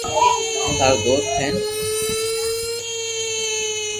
ھاري ٿارو دوست ھين